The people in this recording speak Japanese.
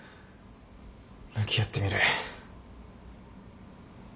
向き合ってみる弱さと。